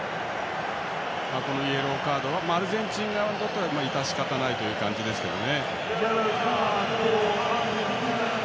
このイエローカードはアルゼンチン側からしたら致し方ないという感じですね。